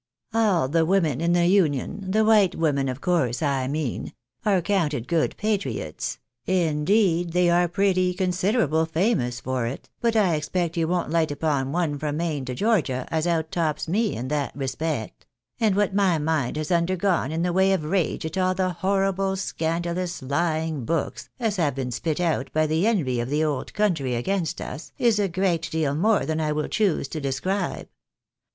" All the women in the Union — the Avhite women, of course, I mean — are counted good patriots ; indeed, they are pretty considerable famous for it ; but I expect that you won't light^ u'pon one from Maine to Georgia, as out tops me in that respect ; and what my mind has undergone in the way of rage at all the horrible, scandalous, lying books, as have been spit out by the envy of the old country against us, is a great deal more than I will choose to describe.